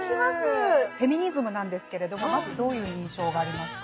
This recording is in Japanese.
フェミニズムなんですけれどもまずどういう印象がありますか？